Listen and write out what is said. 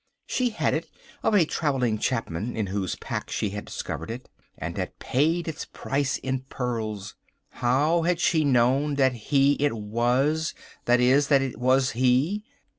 She had it of a travelling chapman in whose pack she had discovered it, and had paid its price in pearls. How had she known that he it was, that is, that it was he?